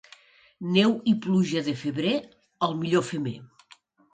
Neu i pluja de febrer, el millor femer.